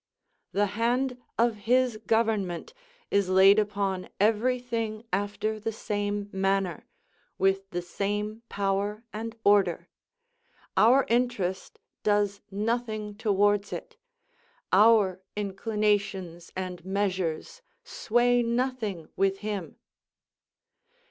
The hand of his government is laid upon every thing after the same manner, with the same power and order; our interest does nothing towards it; our inclinations and measures sway nothing with him.